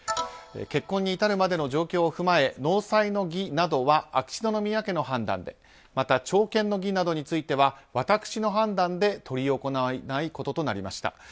結婚に至るまでの状況を踏まえ納采の儀などは秋篠宮家の判断でまた、朝見の儀などについては私の判断で執り行わないこととなりました。